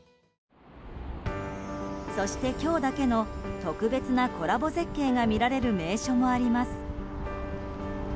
そして、今日だけの特別なコラボ絶景が見られる名所もあります。